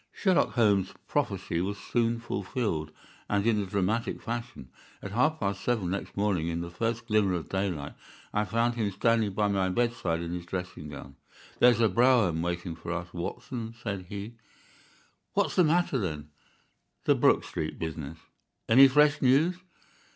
Sherlock Holmes's prophecy was soon fulfilled, and in a dramatic fashion. At half past seven next morning, in the first glimmer of daylight, I found him standing by my bedside in his dressing gown. "There's a brougham waiting for us, Watson," said he. "What's the matter, then?" "The Brook Street business." "Any fresh news?"